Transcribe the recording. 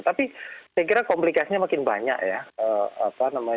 tapi saya kira komplikasinya makin banyak ya